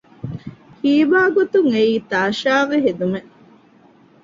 ހީވާގޮތުން އެއީ ތާޝާގެ ހެދުމެއް